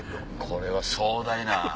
これは壮大な。